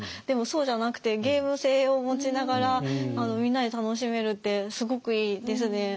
でもそうじゃなくてゲーム性を持ちながらみんなで楽しめるってすごくいいですね。